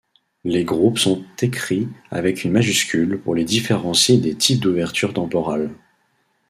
Les groupes sont écrits avec une majuscule pour les différencier des types d'ouvertures temporales.